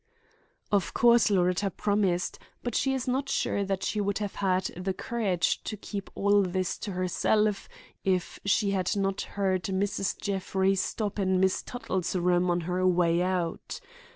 Of course Loretta promised, but she is not sure that she would have had the courage to keep all this to herself if she had not heard Mrs. Jeffrey stop in Miss Tuttle's room on her way out.